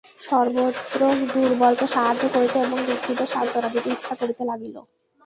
সর্বত্র দুর্বলকে সাহায্য করিতে এবং দুঃখীকে সান্ত্বনা দিতে ইচ্ছা করিতে লাগিল।